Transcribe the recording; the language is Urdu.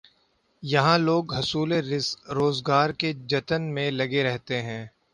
یہاں لوگ حصول روزگار کے جتن میں لگے رہتے ہیں۔